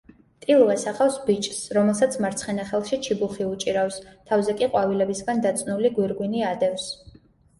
ტილო ასახავს ბიჭს, რომელსაც მარცხენა ხელში ჩიბუხი უჭირავს, თავზე კი ყვავილებისგან დაწნული გვირგვინი ადევს.